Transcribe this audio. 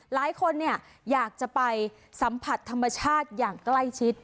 หลายคนอยากจะไปสัมผัสธรรมชาติอย่างใกล้ชิด